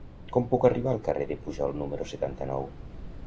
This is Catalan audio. Com puc arribar al carrer de Pujol número setanta-nou?